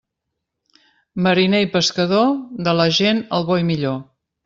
Mariner i pescador, de la gent el bo i millor.